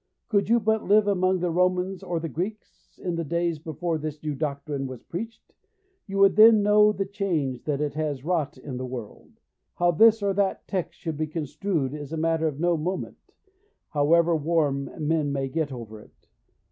Could you but live among the Romans or the Greeks, in the days before this new doctrine was preached, you would then know the change that it has wrought in the world. How this or that text should be construed is a matter of no moment, however warm men may get over it.